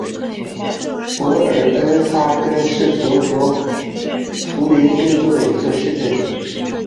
博尔恩哈根是德国图林根州的一个市镇。